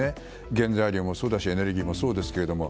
原材料もそうだしエネルギーもそうですけれども。